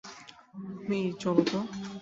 মেই, চলো তো।